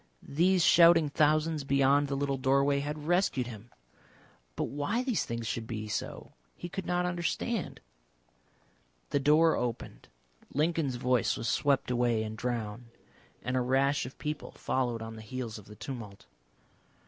These shouting thousands beyond the little doorway had rescued him. But why these things should be so he could not understand. The door opened, Lincoln's voice was swept away and drowned, and a rash of people followed on the heels of the tumult.